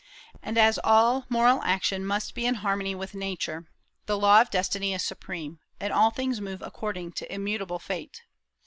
And as all moral action must be in harmony with Nature the law of destiny is supreme, and all things move according to immutable fate.